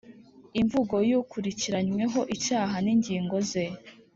Imvugo y ukurikiranyweho icyaha n ingingo ze